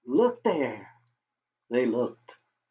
Look there!" They looked.